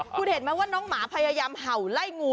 คุณเห็นไหมว่าน้องหมาพยายามเห่าไล่งู